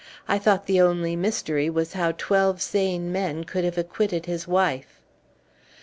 "I thought the only mystery was how twelve sane men could have acquitted his wife."